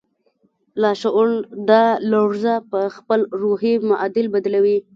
لاشعور دا لړزه پهخپل روحي معادل بدلوي